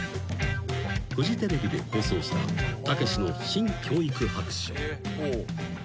［フジテレビで放送した『たけしの新・教育白書』］